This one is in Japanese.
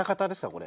これ。